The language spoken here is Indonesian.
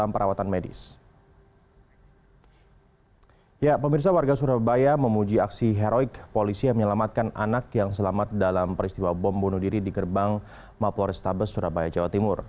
pemirsa warga surabaya memuji aksi heroik polisi yang menyelamatkan anak yang selamat dalam peristiwa bom bunuh diri di gerbang mapo restabes surabaya jawa timur